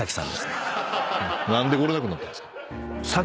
何で来れなくなったんですか？